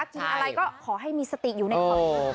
กินอะไรก็ขอให้มีสติอยู่ในความรู้สึก